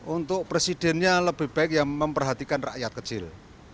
untuk presidennya lebih baik yang memperhatikan rakyat kecil